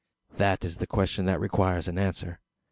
That is the question that requires an answer.